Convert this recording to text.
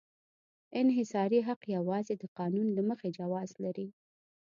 انحصاري حق یوازې د قانون له مخې جواز لري.